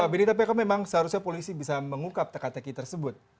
tapi pak bidita memang seharusnya polisi bisa mengungkap tekat teki tersebut